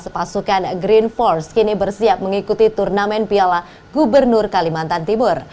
pasukan green force kini bersiap mengikuti turnamen piala gubernur kalimantan timur